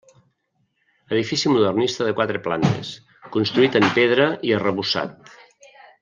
Edifici modernista de quatre plantes, construït en pedra i arrebossat.